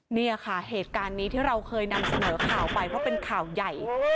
เนี่ยค่ะเหตุการณ์นี้ที่เราเคยนำเสนอข่าวไปเพราะเป็นข่าวใหญ่